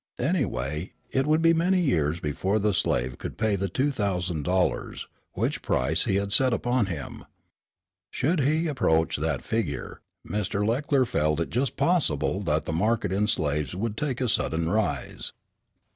Anyway, it would be many years before the slave could pay the two thousand dollars, which price he had set upon him. Should he approach that figure, Mr. Leckler felt it just possible that the market in slaves would take a sudden rise.